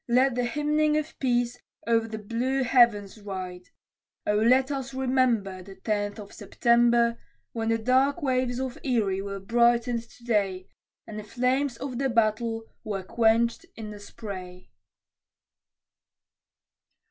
Let the hymning of peace o'er the blue heavens ride; O let us remember, The Tenth of September, When the dark waves of Erie were brightened to day, And the flames of the Battle were quenched in the spray.